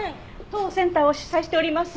当センターを主宰しております